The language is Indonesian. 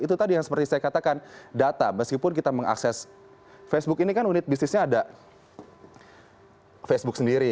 itu tadi yang seperti saya katakan data meskipun kita mengakses facebook ini kan unit bisnisnya ada facebook sendiri